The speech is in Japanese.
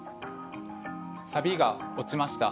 サビが落ちました。